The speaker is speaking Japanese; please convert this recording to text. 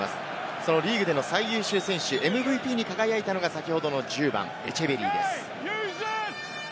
そのリーグでの最優秀選手・ＭＶＰに輝いたのが、先ほどの１０番・エチェベリーです。